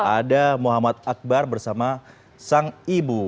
ada muhammad akbar bersama sang ibu